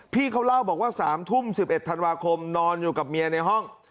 พี่เขาเล่าบอกว่า๓ทุ่ม๑๑ธันวาคมนอนอยู่กับเมียในห้อง